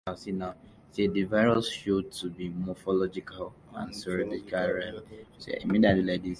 The virus was shown to be morphologically and serologically related to rabies virus.